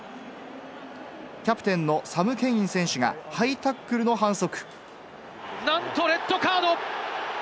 キャプテンのサム・ケイン選手がハイタックルの反則。